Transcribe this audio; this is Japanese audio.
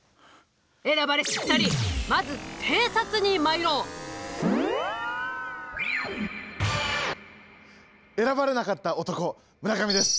選ばれし２人まず偵察に参ろう。選ばれなかった男村上です。